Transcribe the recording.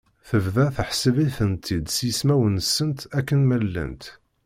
Tebda tḥesseb-itent-id s yismawen-nsent akken ma llant.